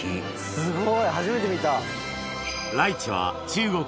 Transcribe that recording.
すごい初めて見た。